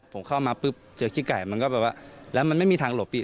ผมเข้ามาปุ๊บเจอขี้ไก่มันก็แบบว่าแล้วมันไม่มีทางหลบอีก